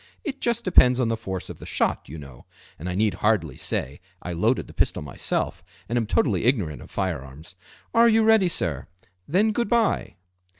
It just depends on the force of the shot, you know, and I need hardly say I loaded the pistol myself, and am totally ignorant of fire arms. Are you ready, sir? then Good bye!"